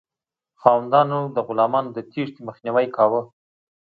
خاوندانو د غلامانو د تیښتې مخنیوی کاوه.